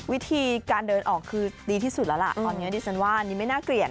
วิธีการเดินออกคือดีที่สุดแล้วล่ะ